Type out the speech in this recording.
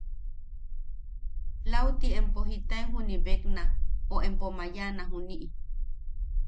Lauti empo jitae juniʼi bekna o empo mayaʼana juniʼi...